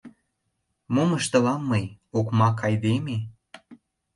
Мом ыштылам мый — окмак айдеме?